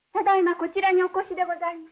こちらにお越しでございます。